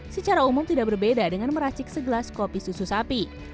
secara umum tidak berbeda dengan meracik segelas kopi susu sapi